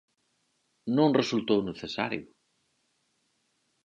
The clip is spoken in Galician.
Non resultou necesario: